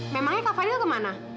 memangnya kak fadil kemana